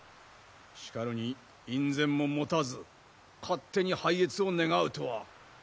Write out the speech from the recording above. しかるに院宣も持たず勝手に拝謁を願うとは。